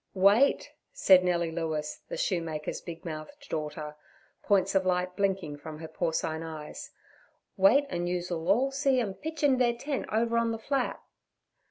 'Wait' said Nellie Lewis, the shoemaker's big mouthed daughter, points of light blinking from her porcine eyes—'wait and yous 'll all see 'em pitchin' their tent over on the flat.'